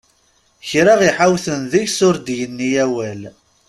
Kra i ḥawten deg-s ur d-yenni awal!